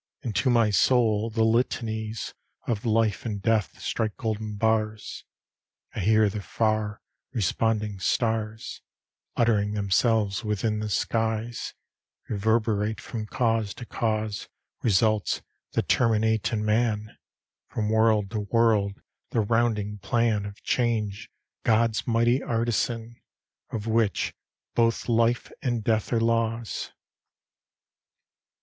Into my soul the litanies Of life and death strike golden bars: I hear the far, responding stars, Uttering themselves within the skies, Reverberate from cause to cause Results that terminate in man; From world to world, the rounding plan Of change, God's mighty artisan, Of which both life and death are laws.